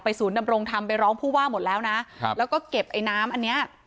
ศูนย์ดำรงธรรมไปร้องผู้ว่าหมดแล้วนะครับแล้วก็เก็บไอ้น้ำอันเนี้ย